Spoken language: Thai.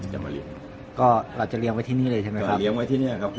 อเจมส์ว่าจะเลยเลี้ยงไว้ที่นี่ในหน่อยใช่ไหมครับ